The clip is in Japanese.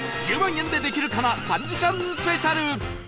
『１０万円でできるかな』３時間スペシャル